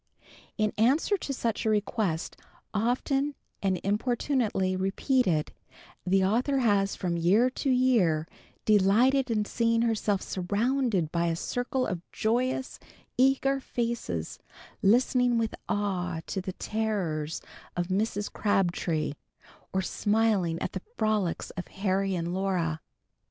In answer to such a request, often and importunately repeated, the author has from year to year delighted in seeing herself surrounded by a circle of joyous, eager faces, listening with awe to the terrors of Mrs. Crabtree, or smiling at the frolics of Harry and Laura.